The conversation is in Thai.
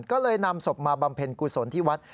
ก็เลยนำศพมาบำเพ็ญกุศลที่วัด